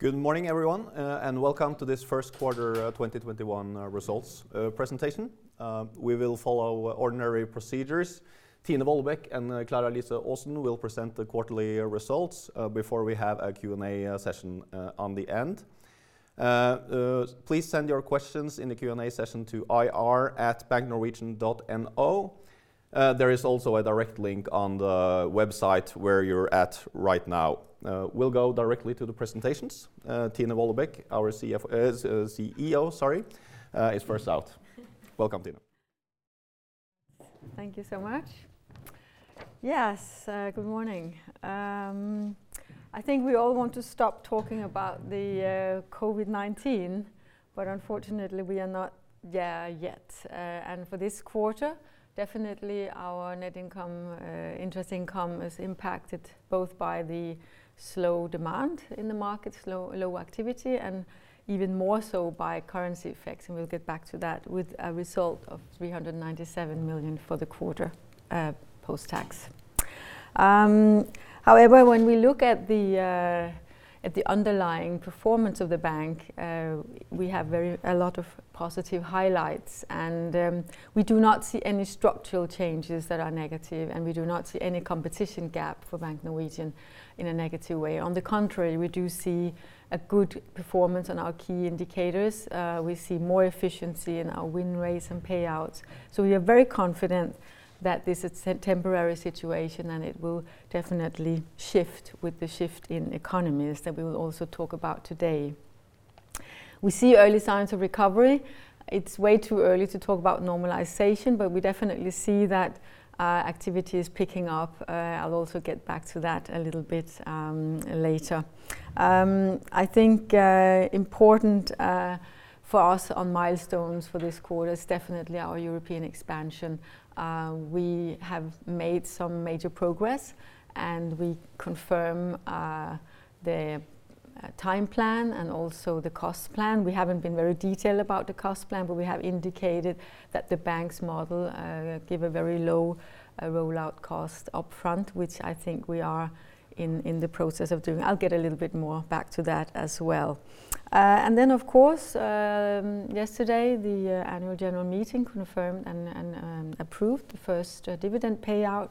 Good morning, everyone, welcome to this first quarter 2021 results presentation. We will follow ordinary procedures. Tine Wollebekk and Klara-Lise Aasen will present the quarterly results before we have a Q&A session on the end. Please send your questions in the Q&A session to ir@banknorwegian.no. There is also a direct link on the website where you're at right now. We'll go directly to the presentations. Tine Wollebekk, our CEO, is first out. Welcome, Tine. Thank you so much. Yes, good morning. I think we all want to stop talking about the COVID-19, unfortunately, we are not there yet. For this quarter, definitely our net income, interest income is impacted both by the slow demand in the market, low activity, and even more so by currency effects, and we'll get back to that, with a result of 397 million for the quarter post-tax. However, when we look at the underlying performance of the bank, we have a lot of positive highlights, and we do not see any structural changes that are negative, and we do not see any competition gap for Bank Norwegian in a negative way. On the contrary, we do see a good performance on our key indicators. We see more efficiency in our win rates and payouts. We are very confident that this is a temporary situation, and it will definitely shift with the shift in economies that we will also talk about today. We see early signs of recovery. It's way too early to talk about normalization, but we definitely see that activity is picking up. I'll also get back to that a little bit later. I think important for us on milestones for this quarter is definitely our European expansion. We have made some major progress, and we confirm the time plan and also the cost plan. We haven't been very detailed about the cost plan. We have indicated that the bank's model give a very low rollout cost upfront, which I think we are in the process of doing. I'll get a little bit more back to that as well. Of course, yesterday, the annual general meeting confirmed and approved the first dividend payout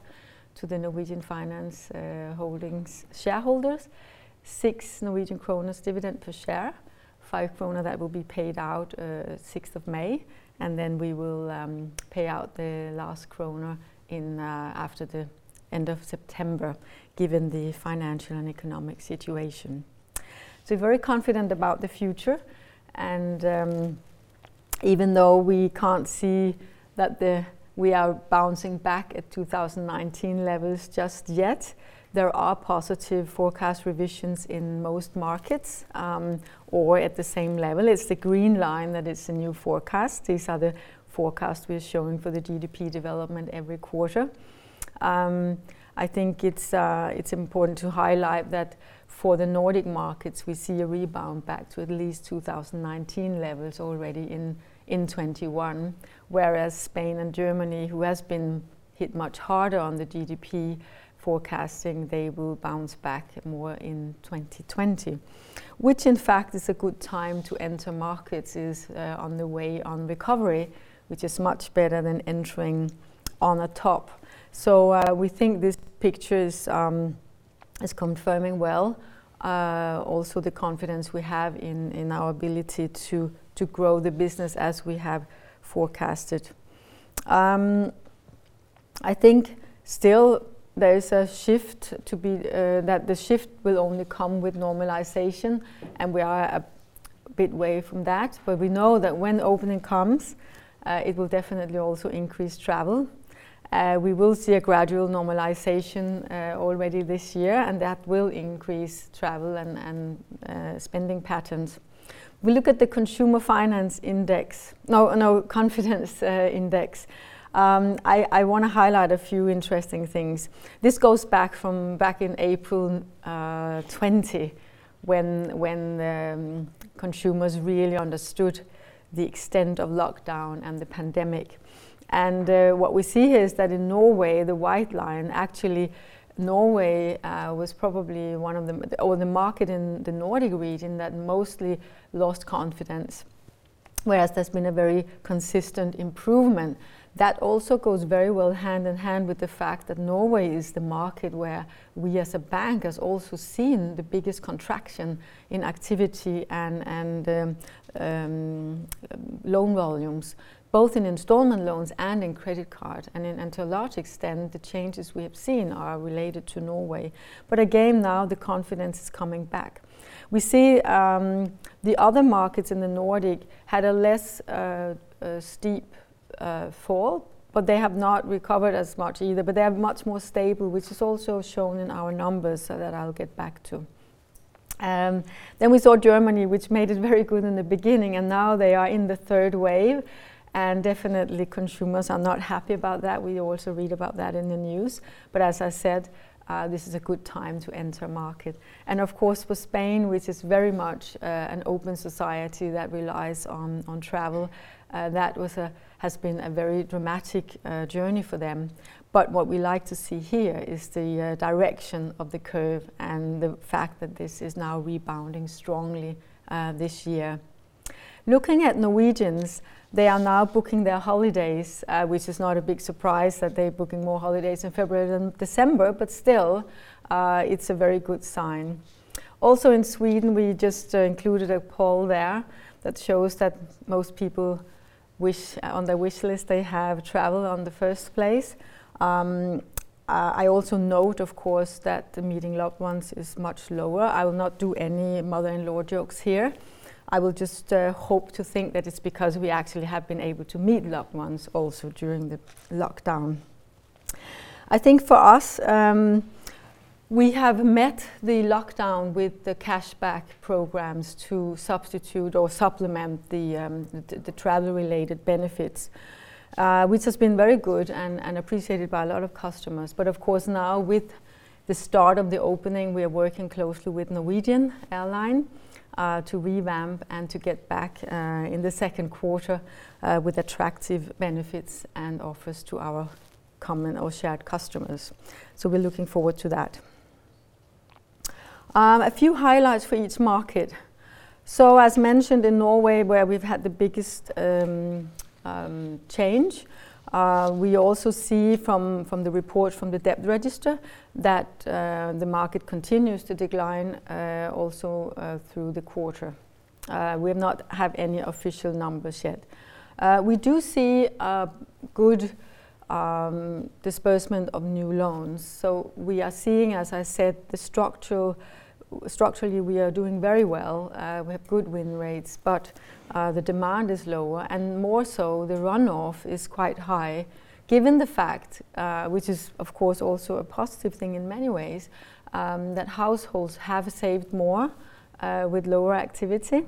to the Norwegian Finans Holding ASA shareholders, 6 Norwegian kroner dividend per share, 5 kroner that will be paid out 6th of May, and then we will pay out the last NOK after the end of September, given the financial and economic situation. Very confident about the future. Even though we can't see that we are bouncing back at 2019 levels just yet, there are positive forecast revisions in most markets, or at the same level. It's the green line that is a new forecast. These are the forecasts we've shown for the GDP development every quarter. I think it's important to highlight that for the Nordic markets, we see a rebound back to at least 2019 levels already in 2021, whereas Spain and Germany, who has been hit much harder on the GDP forecasting, they will bounce back more in 2020. Which in fact is a good time to enter markets is on the way on recovery, which is much better than entering on a top. We think this picture is confirming well also the confidence we have in our ability to grow the business as we have forecasted. I think still that the shift will only come with normalization, and we are a bit away from that. We know that when opening comes, it will definitely also increase travel. We will see a gradual normalization already this year, and that will increase travel and spending patterns. We look at the consumer finance index. No, confidence index. I want to highlight a few interesting things. This goes back from back in April 2020 when consumers really understood the extent of lockdown and the pandemic. What we see here is that in Norway, the white line, actually Norway was probably one of the-- or the market in the Nordic region that mostly lost confidence, whereas there's been a very consistent improvement. That also goes very well hand in hand with the fact that Norway is the market where we as a bank has also seen the biggest contraction in activity and loan volumes, both in installment loans and in credit card. To a large extent, the changes we have seen are related to Norway. Again now, the confidence is coming back. We see the other markets in the Nordic had a less steep fall, but they have not recovered as much either. They are much more stable, which is also shown in our numbers that I'll get back to. We saw Germany, which made it very good in the beginning, and now they are in the third wave. Definitely consumers are not happy about that. We also read about that in the news. As I said, this is a good time to enter market. Of course, for Spain, which is very much an open society that relies on travel, that has been a very dramatic journey for them. What we like to see here is the direction of the curve and the fact that this is now rebounding strongly this year. Looking at Norwegians, they are now booking their holidays, which is not a big surprise that they're booking more holidays in February than December, but still, it's a very good sign. In Sweden, we just included a poll there that shows that most people, on their wish list, they have travel on the first place. I also note, of course, that meeting loved ones is much lower. I will not do any mother-in-law jokes here. I will just hope to think that it's because we actually have been able to meet loved ones also during the lockdown. I think for us, we have met the lockdown with the cashback programs to substitute or supplement the travel-related benefits, which has been very good and appreciated by a lot of customers. Of course now with the start of the opening, we are working closely with Norwegian Airline to revamp and to get back in the second quarter with attractive benefits and offers to our common or shared customers. We're looking forward to that. A few highlights for each market. As mentioned, in Norway, where we've had the biggest change, we also see from the report from the Debt Register that the market continues to decline also through the quarter. We have not have any official numbers yet. We do see a good disbursement of new loans. We are seeing, as I said, structurally, we are doing very well. We have good win rates. The demand is lower, and more so the runoff is quite high given the fact, which is of course also a positive thing in many ways, that households have saved more with lower activity.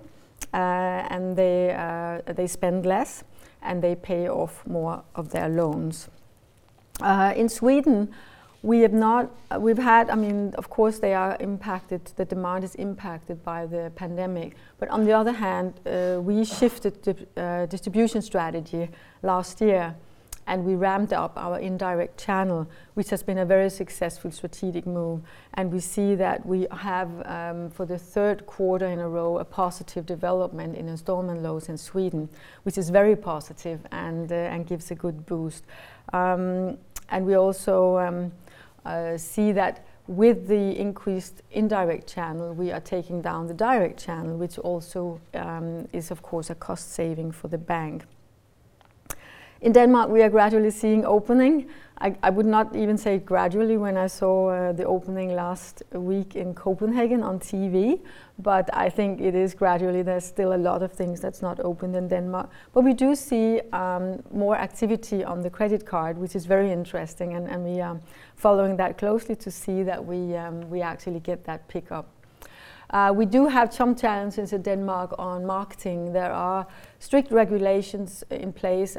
They spend less, and they pay off more of their loans. In Sweden, of course they are impacted, the demand is impacted by the pandemic. On the other hand, we shifted distribution strategy last year, and we ramped up our indirect channel, which has been a very successful strategic move. We see that we have, for the third quarter in a row, a positive development in installment loans in Sweden, which is very positive and gives a good boost. We also see that with the increased indirect channel, we are taking down the direct channel, which also is, of course, a cost saving for the bank. In Denmark, we are gradually seeing opening. I would not even say gradually when I saw the opening last week in Copenhagen on TV. I think it is gradually. There's still a lot of things that's not opened in Denmark. We do see more activity on the credit card, which is very interesting, and we are following that closely to see that we actually get that pickup. We do have some challenges in Denmark on marketing. There are strict regulations in place.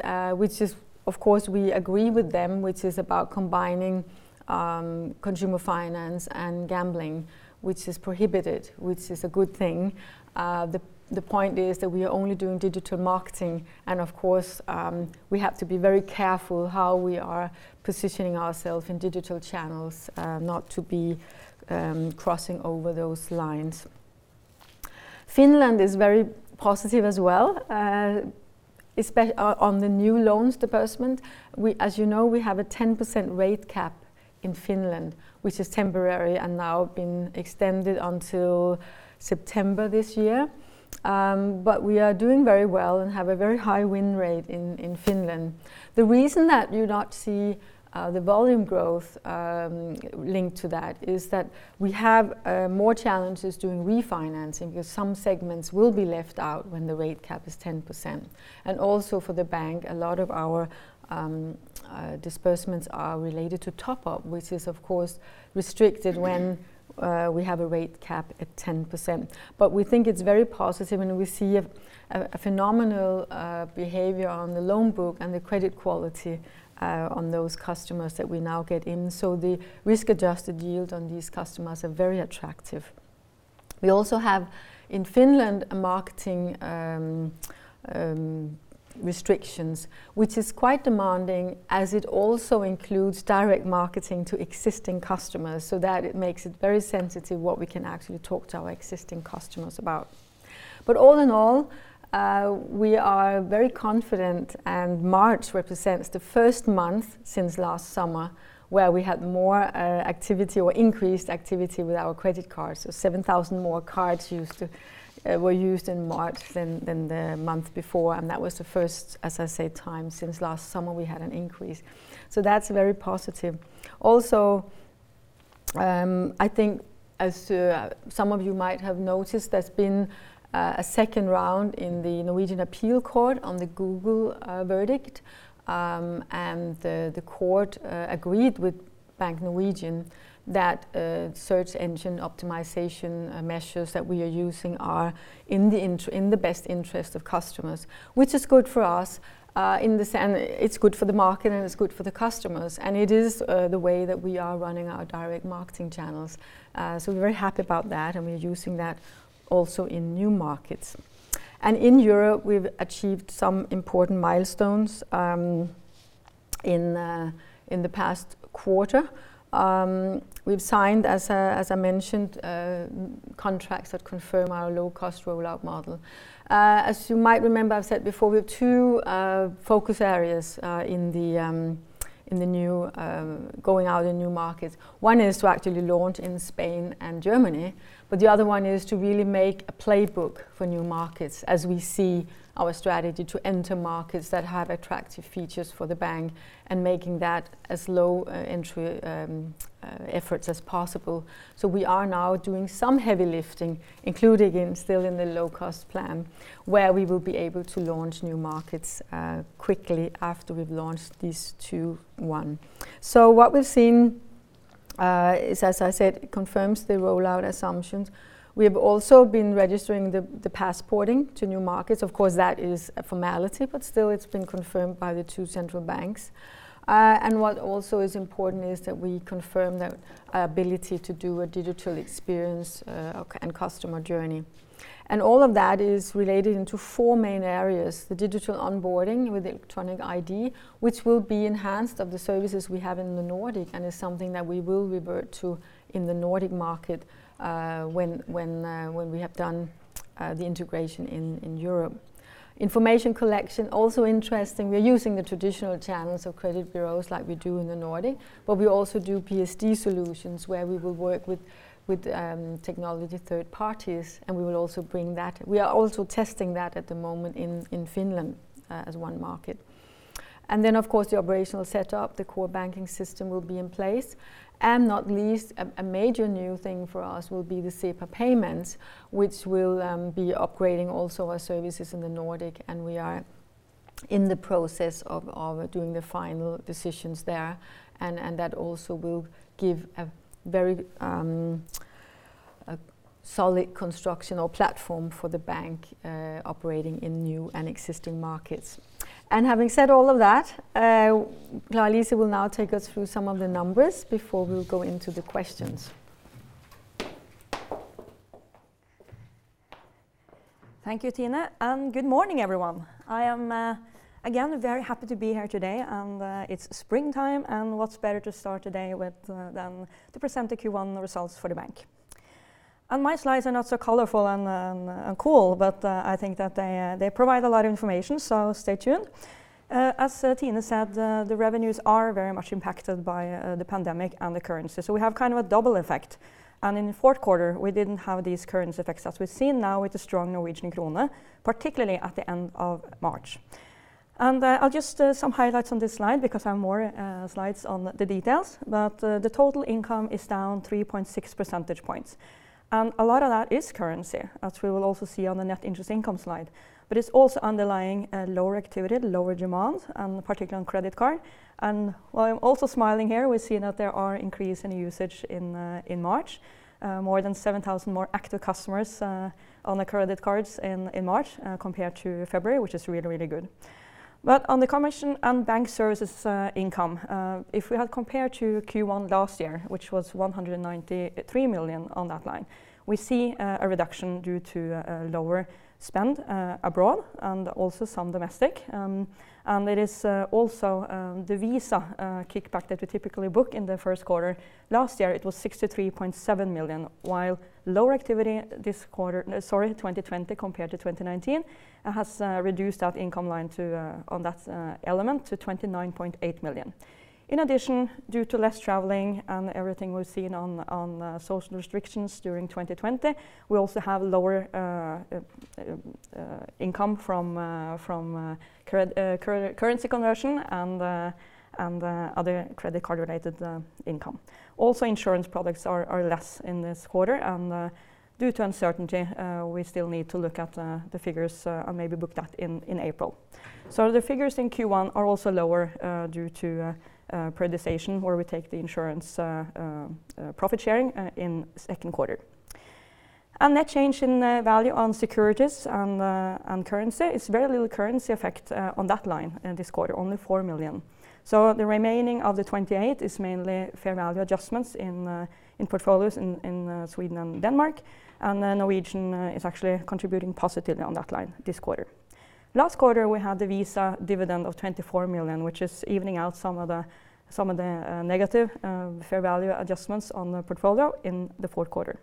Of course we agree with them, which is about combining consumer finance and gambling, which is prohibited, which is a good thing. The point is that we are only doing digital marketing, and of course, we have to be very careful how we are positioning ourself in digital channels not to be crossing over those lines. Finland is very positive as well, on the new loans disbursement. As you know, we have a 10% rate cap in Finland, which is temporary and now been extended until September this year. We are doing very well and have a very high win rate in Finland. The reason that you not see the volume growth linked to that is that we have more challenges doing refinancing, because some segments will be left out when the rate cap is 10%. Also for the bank, a lot of our disbursements are related to top-up, which is of course restricted when we have a rate cap at 10%. We think it's very positive, and we see a phenomenal behavior on the loan book and the credit quality on those customers that we now get in. The risk-adjusted yield on these customers are very attractive. We also have in Finland marketing restrictions, which is quite demanding, as it also includes direct marketing to existing customers. That it makes it very sensitive what we can actually talk to our existing customers about. All in all, we are very confident, and March represents the first month since last summer where we had more activity or increased activity with our credit cards. 7,000 more cards were used in March than the month before, and that was the first, as I said, time since last summer we had an increase. That's very positive. Also, I think as some of you might have noticed, there's been a second round in the Norwegian Appeal Court on the Google verdict. The court agreed with Bank Norwegian that search engine optimization measures that we are using are in the best interest of customers, which is good for us. In the sense, it's good for the market, it's good for the customers. It is the way that we are running our direct marketing channels. We're very happy about that, and we're using that also in new markets. In Europe, we've achieved some important milestones in the past quarter. We've signed, as I mentioned contracts that confirm our low-cost rollout model. As you might remember I've said before, we have two focus areas in going out in new markets. One is to actually launch in Spain and Germany. The other one is to really make a playbook for new markets as we see our strategy to enter markets that have attractive features for the bank and making that as low entry efforts as possible. We are now doing some heavy lifting, including still in the low-cost plan, where we will be able to launch new markets quickly after we've launched these two. What we've seen is, as I said, confirms the rollout assumptions. We have also been registering the passporting to new markets. Of course, that is a formality, but still, it's been confirmed by the two central banks. What also is important is that we confirm the ability to do a digital experience and customer journey. All of that is related into four main areas. The digital onboarding with electronic ID, which will be enhanced of the services we have in the Nordic and is something that we will revert to in the Nordic market when we have done the integration in Europe. Information collection also interesting. We're using the traditional channels of credit bureaus like we do in the Nordic. We also do PSD2 solutions where we will work with technology third parties, and we will also bring that. We are also testing that at the moment in Finland as one market. Of course, the operational setup. The core banking system will be in place. Not least, a major new thing for us will be the SEPA payments, which will be upgrading also our services in the Nordic, and we are in the process of doing the final decisions there. That also will give a very solid construction or platform for the bank operating in new and existing markets. Having said all of that, Lise will now take us through some of the numbers before we'll go into the questions. Thank you, Tine. Good morning, everyone. I am again very happy to be here today. It's springtime, and what's better to start a day with than to present the Q1 results for the bank. My slides are not so colorful and cool, but I think that they provide a lot of information, so stay tuned. As Tine said the revenues are very much impacted by the pandemic and the currency. We have a double effect. In the fourth quarter, we didn't have these currency effects as we've seen now with the strong Norwegian krone, particularly at the end of March. Just some highlights on this slide because I have more slides on the details. The total income is down 3.6 percentage points. A lot of that is currency, as we will also see on the net interest income slide. It's also underlying a lower activity, lower demand, and particularly on credit card. While I'm also smiling here, we're seeing that there are increase in usage in March. More than 7,000 more active customers on the credit cards in March compared to February, which is really, really good. On the commission and bank services income, if we had compared to Q1 last year, which was 193 million on that line, we see a reduction due to lower spend abroad and also some domestic. It is also the Visa kickback that we typically book in the first quarter. Last year, it was 63.7 million, while lower activity this quarter, sorry, 2020 compared to 2019, has reduced that income line on that element to 29.8 million. Due to less traveling and everything we've seen on social restrictions during 2020, we also have lower income from currency conversion and other credit card related income. Insurance products are less in this quarter. Due to uncertainty, we still need to look at the figures and maybe book that in April. The figures in Q1 are also lower due to prioritization where we take the insurance profit sharing in second quarter. Net change in value on securities and currency is very little currency effect on that line in this quarter, only 4 million. The remaining of the 28 is mainly fair value adjustments in portfolios in Sweden and Denmark. The Norwegian is actually contributing positively on that line this quarter. Last quarter, we had the Visa dividend of 24 million, which is evening out some of the negative fair value adjustments on the portfolio in the fourth quarter.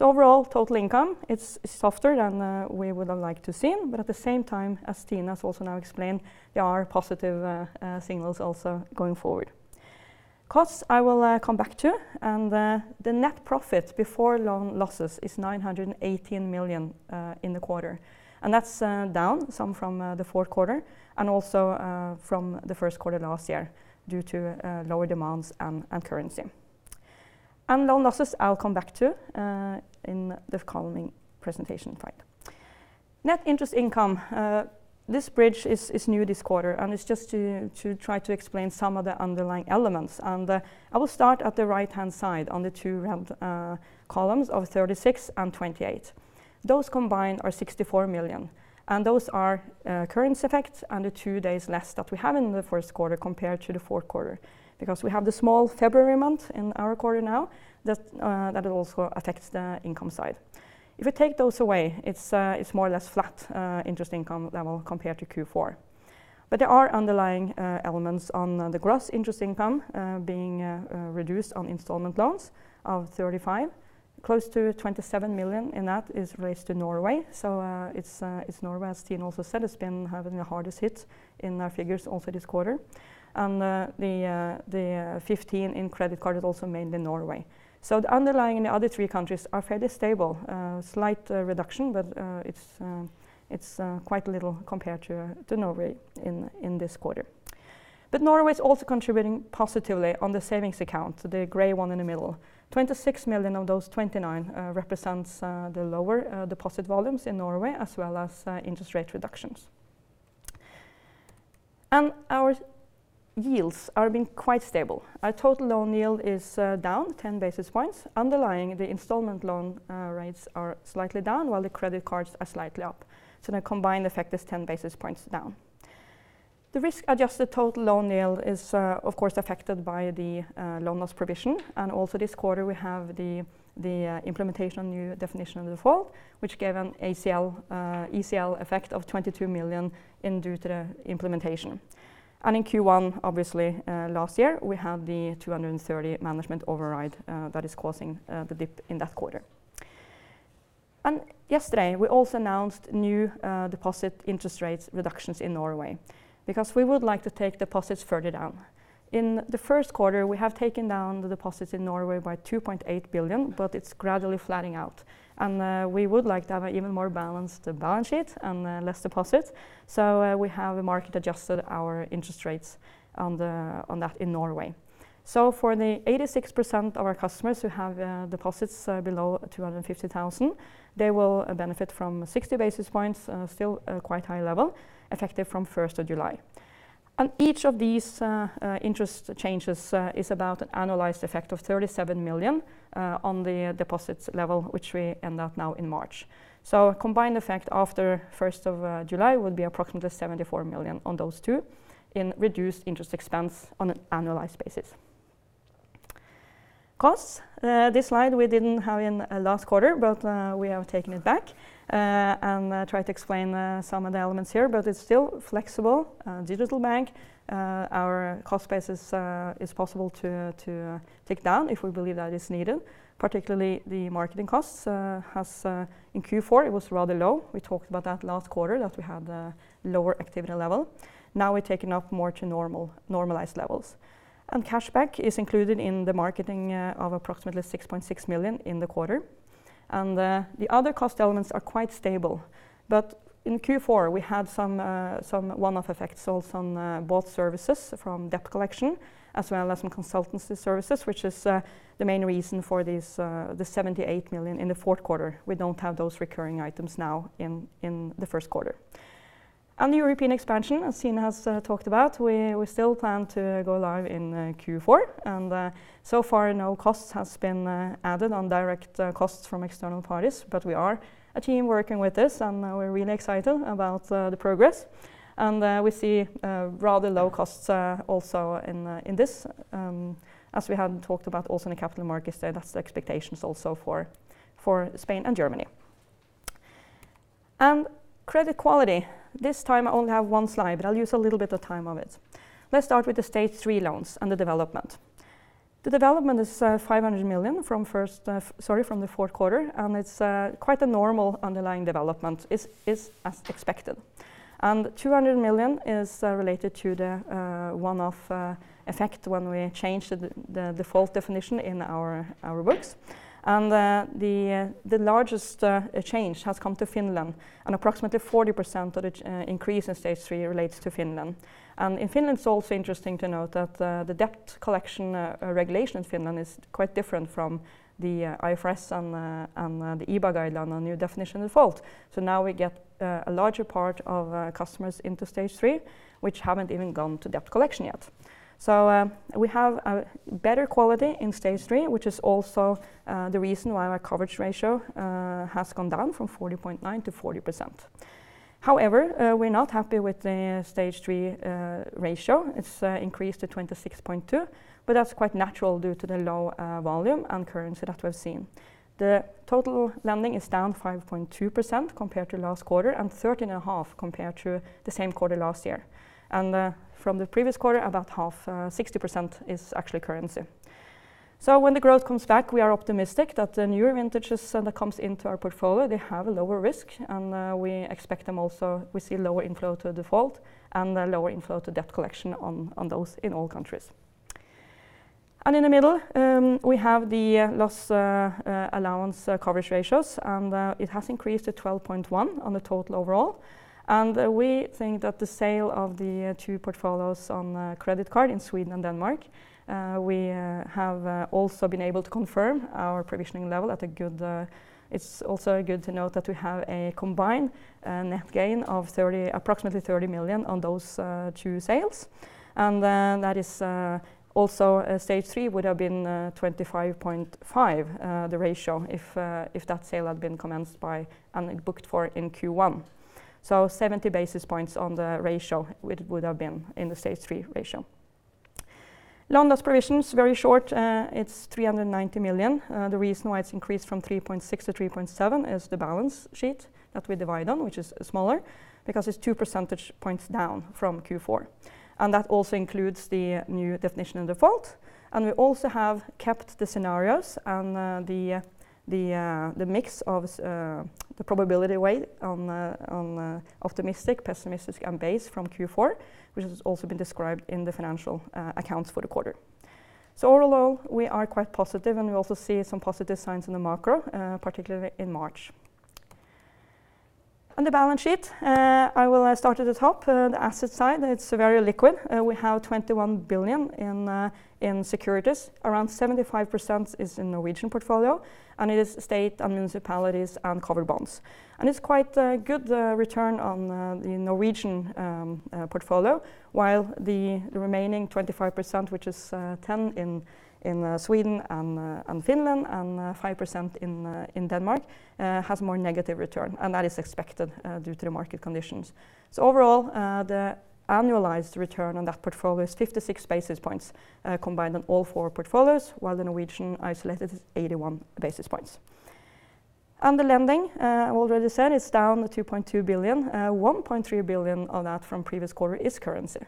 Overall, total income, it's softer than we would have liked to seen. At the same time, as Tine has also now explained, there are positive signals also going forward. Costs, I will come back to. The net profit before loan losses is 918 million in the quarter. That's down some from the fourth quarter and also from the first quarter last year due to lower demands and currency. Loan losses I'll come back to in the following presentation slide. Net interest income. This bridge is new this quarter, and it's just to try to explain some of the underlying elements. I will start at the right-hand side on the two round columns of 36 and 28. Those combined are 64 million, and those are currency effects and the two days less that we have in the first quarter compared to the fourth quarter. We have the small February month in our quarter now, that also affects the income side. If we take those away, it's more or less flat interest income level compared to Q4. There are underlying elements on the gross interest income being reduced on installment loans of 35 million. Close to 27 million in that is raised to Norway, so it's Norway, as Tine also said, has been having the hardest hit in our figures also this quarter. The 15 million in credit card is also mainly Norway. The underlying in the other three countries are fairly stable. Slight reduction, but it's quite little compared to Norway in this quarter. Norway is also contributing positively on the savings account, the gray one in the middle. 26 million of those 29 represents the lower deposit volumes in Norway, as well as interest rate reductions. Our yields are being quite stable. Our total loan yield is down 10 basis points. Underlying the installment loan rates are slightly down while the credit cards are slightly up. The combined effect is 10 basis points down. The risk-adjusted total loan yield is of course affected by the loan loss provision. Also this quarter, we have the implementation of new definition of default, which gave an ECL effect of 22 million due to the implementation. In Q1 obviously last year, we had the 230 management override that is causing the dip in that quarter. Yesterday, we also announced new deposit interest rates reductions in Norway because we would like to take deposits further down. In the first quarter, we have taken down the deposits in Norway by 2.8 billion, but it's gradually flattening out. We would like to have an even more balanced balance sheet and less deposits. We have market adjusted our interest rates on that in Norway. For the 86% of our customers who have deposits below 250,000, they will benefit from 60 basis points, still quite high level, effective from 1st of July. Each of these interest changes is about an annualized effect of 37 million on the deposits level, which we end at now in March. A combined effect after 1st of July will be approximately 74 million on those two in reduced interest expense on an annualized basis. Costs. This slide we didn't have in last quarter, but we have taken it back and tried to explain some of the elements here, but it's still flexible. Bank Norwegian, our cost base is possible to take down if we believe that is needed. Particularly the marketing costs. In Q4 it was rather low. We talked about that last quarter that we had a lower activity level. Now we're taking up more to normalized levels. Cashback is included in the marketing of approximately 6.6 million in the quarter. The other cost elements are quite stable. In Q4 we had some one-off effects also on both services from debt collection as well as some consultancy services, which is the main reason for the 78 million in the fourth quarter. We don't have those recurring items now in the first quarter. On the European expansion, as Tine has talked about, we still plan to go live in Q4. So far, no cost has been added on direct costs from external parties. We are a team working with this, and we're really excited about the progress. We see rather low costs also in this, as we have talked about also in the capital markets there, that's the expectations also for Spain and Germany. Credit quality. This time I only have one slide, but I'll use a little bit of time of it. Let's start with the Stage 3 loans and the development. The development is 500 million from the fourth quarter, and it's quite a normal underlying development, is as expected. 200 million is related to the one-off effect when we changed the default definition in our books. The largest change has come to Finland, approximately 40% of the increase in Stage 3 relates to Finland. In Finland, it's also interesting to note that the debt collection regulation in Finland is quite different from the IFRS and the EBA guideline on new definition of default. Now we get a larger part of customers into Stage 3 which haven't even gone to debt collection yet. We have a better quality in Stage 3, which is also the reason why our coverage ratio has gone down from 40.9% to 40%. However, we're not happy with the Stage 3 ratio. It's increased to 26.2, that's quite natural due to the low volume and currency that we've seen. The total lending is down 5.2% compared to last quarter and 13.5 compared to the same quarter last year. From the previous quarter, about half, 60% is actually currency. When the growth comes back, we are optimistic that the newer vintages that comes into our portfolio, they have a lower risk, and we expect them also, we see lower inflow to default and lower inflow to debt collection on those in all countries. In the middle, we have the loss allowance coverage ratios, and it has increased to 12.1 on the total overall. We think that the sale of the two portfolios on credit card in Sweden and Denmark, we have also been able to confirm our provisioning level. It's also good to note that we have a combined net gain of approximately 30 million on those two sales. That is also Stage 3 would have been 25.5, the ratio, if that sale had been commenced by and booked for in Q1. 70 basis points on the ratio it would have been in the Stage 3 ratio. Loan loss provisions, very short. It's 390 million. The reason why it's increased from 3.6 to 3.7 is the balance sheet that we divide on, which is smaller because it's 2 percentage points down from Q4. That also includes the new definition of default. We also have kept the scenarios and the mix of the probability weight on optimistic, pessimistic, and base from Q4, which has also been described in the financial accounts for the quarter. Overall, we are quite positive, and we also see some positive signs in the macro, particularly in March. On the balance sheet, I will start at the top. The asset side, it's very liquid. We have 21 billion in securities. Around 75% is in Norwegian portfolio, and it is state and municipalities and covered bonds. It's quite a good return on the Norwegian portfolio, while the remaining 25%, which is 10 in Sweden and Finland and 5% in Denmark, has more negative return. That is expected due to the market conditions. Overall, the annualized return on that portfolio is 56 basis points combined on all four portfolios, while the Norwegian isolated is 81 basis points. On the lending, I already said it's down 2.2 billion. 1.3 billion of that from previous quarter is currency.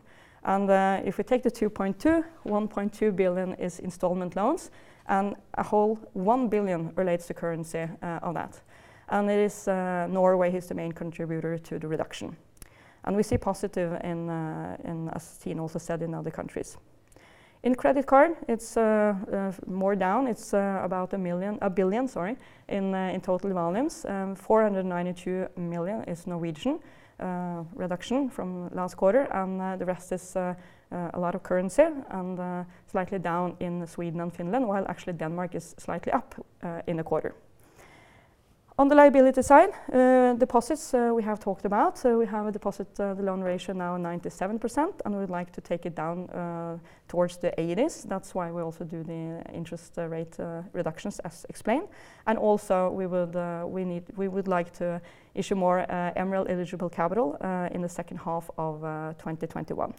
If we take the 2.2, 1.2 billion is installment loans, and a whole 1 billion relates to currency on that. It is Norway who's the main contributor to the reduction. We see positive in, as Tine Wollebekk also said, in other countries. In credit card, it's more down. It's about 1 billion in total volumes. 492 million is Norwegian reduction from last quarter, and the rest is a lot of currency and slightly down in Sweden and Finland, while actually Denmark is slightly up in the quarter. On the liability side, deposits we have talked about. We have a deposit-to-loan ratio now 97%, and we would like to take it down towards the 80s. That's why we also do the interest rate reductions as explained. We would like to issue more MREL-eligible capital in the second half of 2021.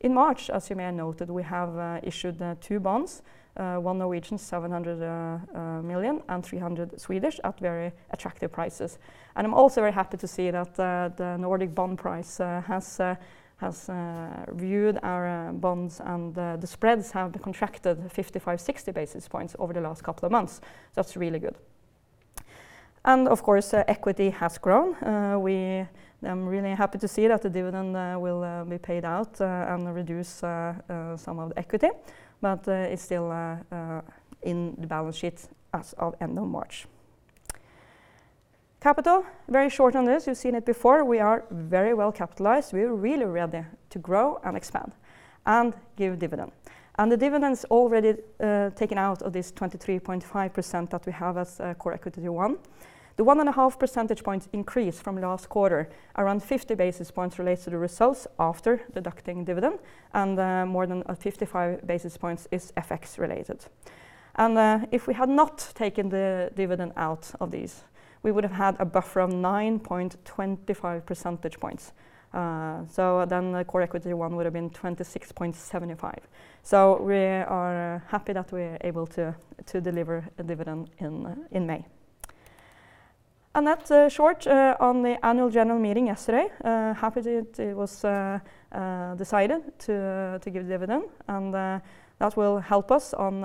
In March, as you may have noted, we have issued 2 bonds, one 700 million and 300 at very attractive prices. I'm also very happy to see that the Nordic Bond Pricing has reviewed our bonds, and the spreads have contracted 55, 60 basis points over the last couple of months. That's really good. Of course, equity has grown. I'm really happy to see that the dividend will be paid out and reduce some of the equity, but it's still in the balance sheet as of end of March. Capital, very short on this. You've seen it before. We are very well capitalized. We're really ready to grow and expand and give dividend. The dividend's already taken out of this 23.5% that we have as core equity one. The one and a half percentage points increase from last quarter. Around 50 basis points relates to the results after deducting dividend. More than 55 basis points is FX related. If we had not taken the dividend out of these, we would have had a buffer of 9.25 percentage points. The core equity one would have been 26.75. We are happy that we are able to deliver a dividend in May. That's short on the annual general meeting yesterday. Happy that it was decided to give dividend, that will help us on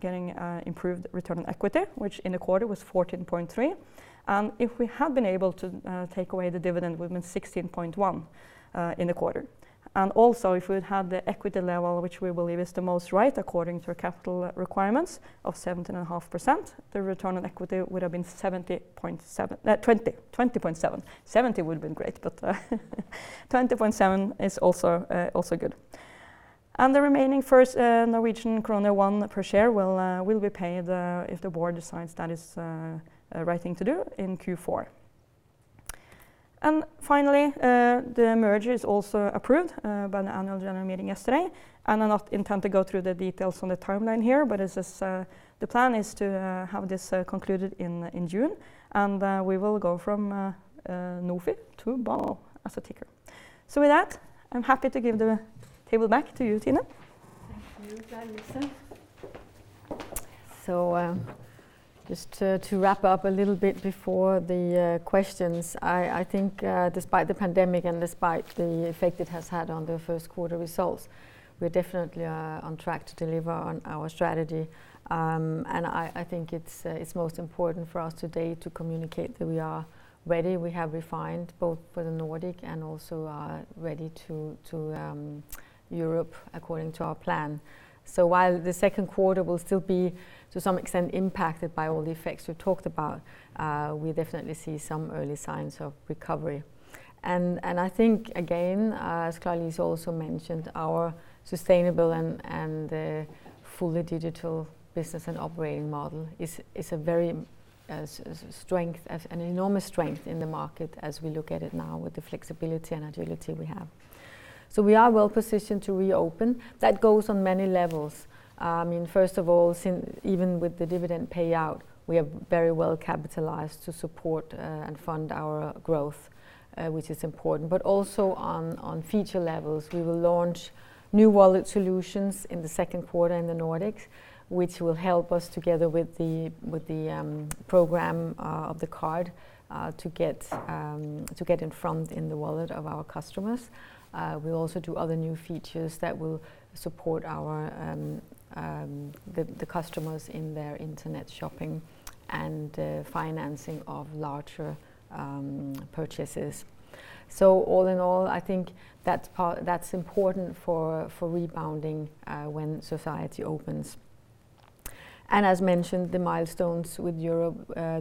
getting improved return on equity, which in the quarter was 14.3. If we had been able to take away the dividend, we would have been 16.1 in the quarter. Also if we'd had the equity level, which we believe is the most right according to our capital requirements of 17.5%, the return on equity would have been 20.7. 70 would have been great, 20.7 is also good. The remaining first Norwegian krone 1 per share will be paid if the board decides that is the right thing to do in Q4. Finally, the merger is also approved by the annual general meeting yesterday. I'll not intend to go through the details on the timeline here, but the plan is to have this concluded in June, and we will go from NOFI to BANO as a ticker. With that, I'm happy to give the table back to you, Tine. Thank you, Carine. Just to wrap up a little bit before the questions, I think despite the pandemic and despite the effect it has had on the first quarter results, we definitely are on track to deliver on our strategy. I think it's most important for us today to communicate that we are ready. We have refined both for the Nordic and also are ready to Europe according to our plan. While the second quarter will still be, to some extent, impacted by all the effects we've talked about, we definitely see some early signs of recovery. I think again, as Klara-Lise also mentioned, our sustainable and fully digital business and operating model is a very enormous strength in the market as we look at it now with the flexibility and agility we have. We are well positioned to reopen. That goes on many levels. First of all, even with the dividend payout, we are very well capitalized to support and fund our growth, which is important. Also on feature levels, we will launch new wallet solutions in the second quarter in the Nordics, which will help us together with the program of the card to get in front in the wallet of our customers. We also do other new features that will support the customers in their internet shopping and financing of larger purchases. All in all, I think that's important for rebounding when society opens. As mentioned, the milestones with Europe,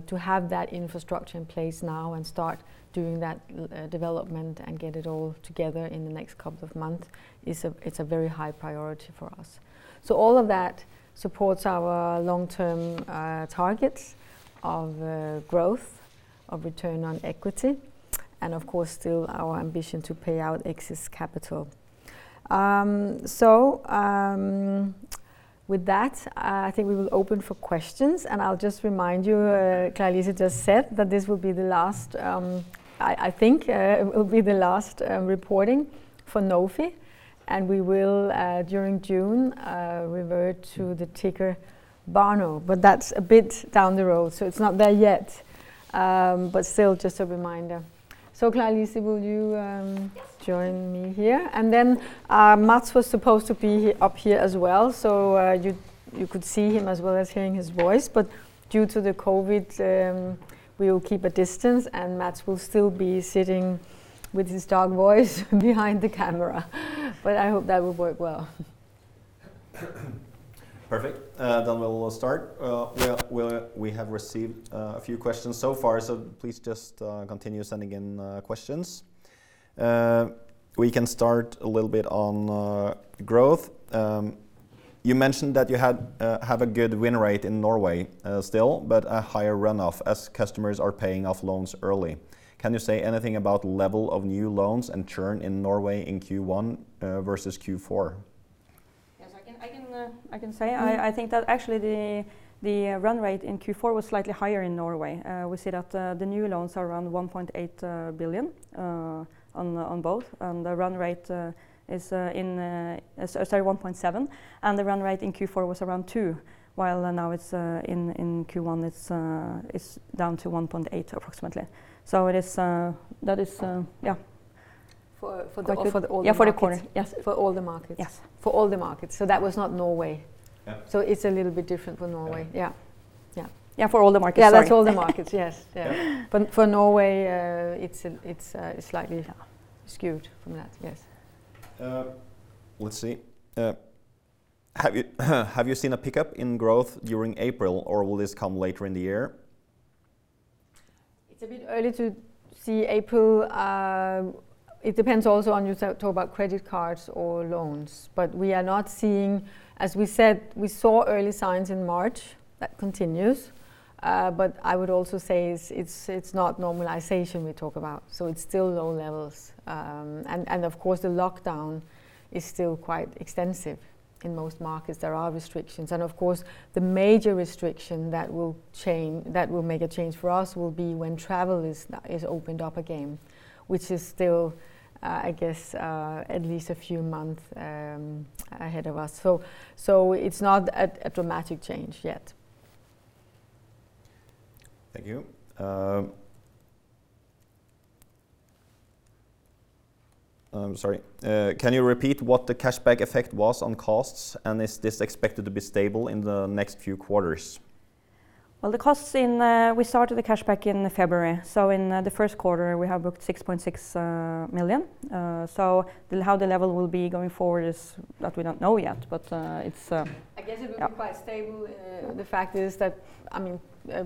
to have that infrastructure in place now and start doing that development and get it all together in the next couple of months is a very high priority for us. All of that supports our long-term targets of growth, of return on equity, and of course, still our ambition to pay out excess capital. With that, I think we will open for questions. I'll just remind you, Klara-Lise Aasen just said that this will be the last, I think, it will be the last reporting for NOFI. We will, during June, revert to the ticker BANO. That's a bit down the road, so it's not there yet. Still just a reminder. Klara-Lise Aasen, will you join me here? Then Mats was supposed to be up here as well, so you could see him as well as hearing his voice. Due to the COVID-19, we will keep a distance, and Mats will still be sitting with his dark voice behind the camera. I hope that will work well. Perfect. We'll start. We have received a few questions so far, so please just continue sending in questions. We can start a little bit on growth. You mentioned that you have a good win rate in Norway still, but a higher runoff as customers are paying off loans early. Can you say anything about level of new loans and churn in Norway in Q1 versus Q4? Yes, I can say. I think that actually the run rate in Q4 was slightly higher in Norway. We see that the new loans are around 1.8 billion on both. The run rate is, sorry, 1.7 billion. The run rate in Q4 was around 2 billion, while now in Q1 it's down to 1.8 billion approximately. That is, yeah. For the quarter? Yeah, for the quarter. Yes. For all the markets. Yes. For all the markets. That was not Norway. Yeah. It's a little bit different for Norway. Yeah. Yeah, for all the markets, sorry. Yeah, that's all the markets. Yes. Yeah. For Norway, it's slightly skewed from that. Yes. Let's see. Have you seen a pickup in growth during April, or will this come later in the year? It's a bit early to see April. It depends also on you talk about credit cards or loans. We are not seeing, as we said, we saw early signs in March. That continues. I would also say it's not normalization we talk about. It's still low levels. Of course, the lockdown is still quite extensive in most markets. There are restrictions. Of course, the major restriction that will make a change for us will be when travel is opened up again, which is still, I guess, at least a few months ahead of us. It's not a dramatic change yet. Thank you. I'm sorry. Can you repeat what the cashback effect was on costs, and is this expected to be stable in the next few quarters? Well, we started the cashback in February. In the first quarter, we have booked 6.6 million. How the level will be going forward, that we don't know yet. I guess it will be quite stable. The fact is that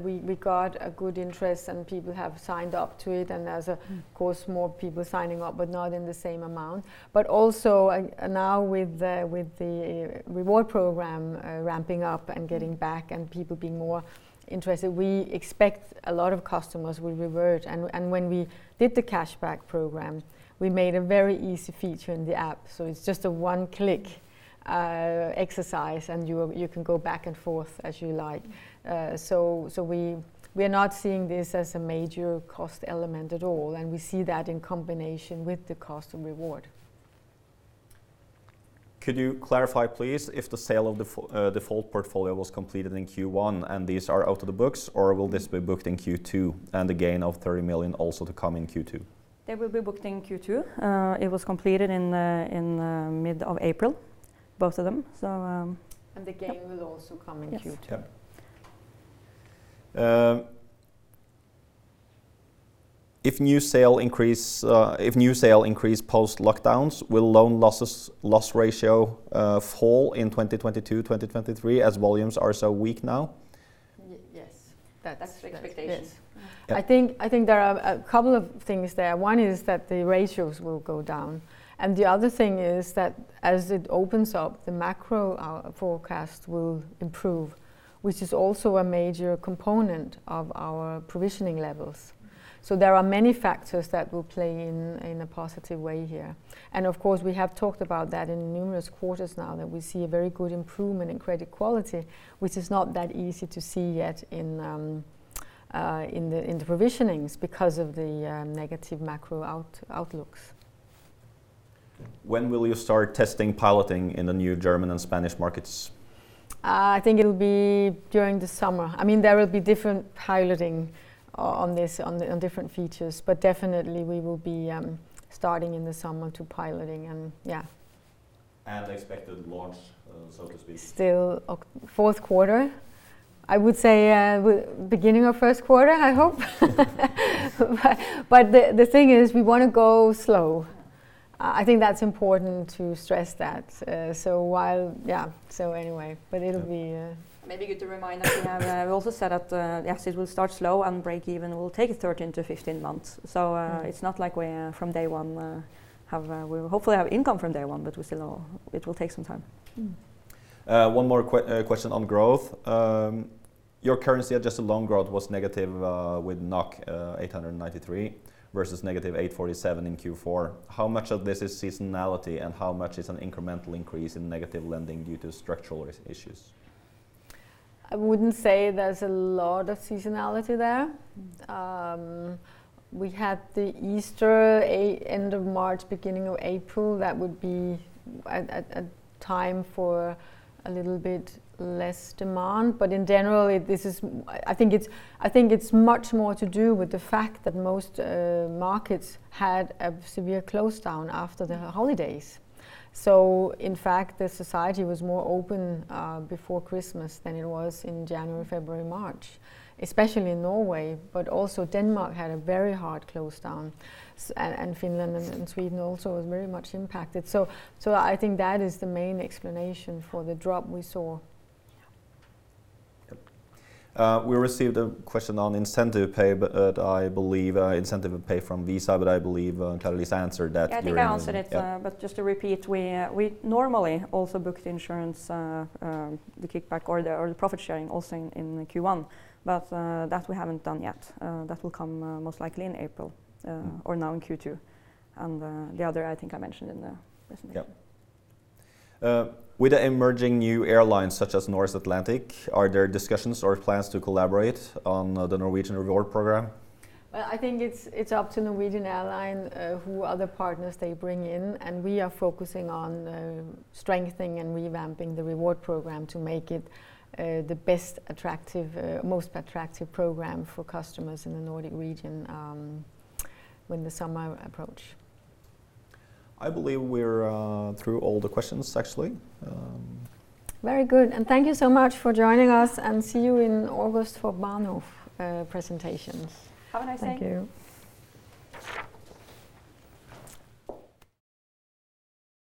we got a good interest and people have signed up to it. There's, of course, more people signing up, but not in the same amount. Also now with the reward program ramping up and getting back and people being more interested, we expect a lot of customers will revert. When we did the cashback program, we made a very easy feature in the app. It's just a one-click exercise, and you can go back and forth as you like. We are not seeing this as a major cost element at all, and we see that in combination with the cost and reward. Could you clarify, please, if the sale of the default portfolio was completed in Q1 and these are out of the books, or will this be booked in Q2 and the gain of 30 million also to come in Q2? They will be booked in Q2. It was completed in mid of April, both of them. The gain will also come in Q2. Yes. Yeah. If new sale increase post lockdowns, will loan loss ratio fall in 2022, 2023 as volumes are so weak now? Yes. That's the expectation. Yes. Yeah. I think there are a couple of things there. One is that the ratios will go down, and the other thing is that as it opens up, the macro forecast will improve, which is also a major component of our provisioning levels. There are many factors that will play in a positive way here. Of course, we have talked about that in numerous quarters now that we see a very good improvement in credit quality, which is not that easy to see yet in the provisionings because of the negative macro outlooks. When will you start testing piloting in the new German and Spanish markets? I think it'll be during the summer. There will be different piloting on different features, but definitely we will be starting in the summer to piloting. Yeah. Expected launch, so to speak? Still fourth quarter. I would say beginning of first quarter, I hope. Yes. The thing is, we want to go slow. I think that's important to stress that. Yeah. Maybe good to remind that we have also said that the assets will start slow and break even will take 13 to 15 months. Right. It's not like from day one. We'll hopefully have income from day one, but it will take some time. One more question on growth. Your currency adjusted loan growth was negative with 893 versus negative 847 in Q4. How much of this is seasonality, and how much is an incremental increase in negative lending due to structural issues? I wouldn't say there's a lot of seasonality there. We had the Easter, end of March, beginning of April. That would be a time for a little bit less demand. In general, I think it's much more to do with the fact that most markets had a severe close down after the holidays. In fact, the society was more open before Christmas than it was in January, February, March. Especially in Norway, but also Denmark had a very hard close down, and Finland and Sweden also was very much impacted. I think that is the main explanation for the drop we saw. Yeah. Yep. We received a question on incentive pay, incentive pay from Visa, but I believe Caroline's answered that. Yeah, I think I answered it. Yeah. Just to repeat, we normally also book the insurance, the kickback or the profit sharing also in Q1. That we haven't done yet. That will come most likely in April or now in Q2. The other, I think I mentioned in the presentation. Yeah. With the emerging new airlines such as Norse Atlantic, are there discussions or plans to collaborate on the Norwegian Reward program? Well, I think it's up to Norwegian Airline, who other partners they bring in, and we are focusing on strengthening and revamping the reward program to make it the most attractive program for customers in the Nordic region when the summer approach. I believe we're through all the questions, actually. Very good. Thank you so much for joining us, and see you in August for Bahnhof presentations. Have a nice day. Thank you.